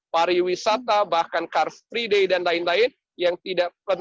pariwisata bahkan car free day dan lain lain yang tidak penting